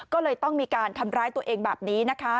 ก็เลยต้องมีการทำร้ายตัวเองแบบนี้นะคะ